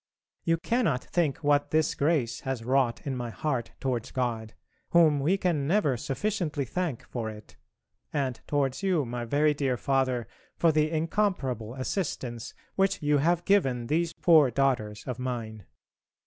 You cannot think what this grace has wrought in my heart towards God, whom we can never sufficiently thank for it, and towards you, my very dear Father, for the incomparable assistance which you have given these poor daughters of mine.